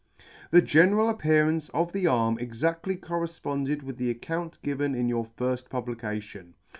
The general appearances of the arm exactly correfponded with the account given in your firft publication.